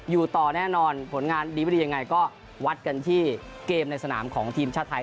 อยู่ต่อแน่นอนผลงานดีไม่ดียังไงก็วัดกันที่เกมในสนามของทีมชาติไทย